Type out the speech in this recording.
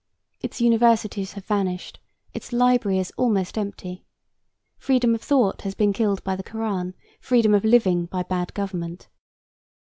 Its universities have vanished, its library is almost empty. Freedom of thought has been killed by the Koran, freedom of living by bad government.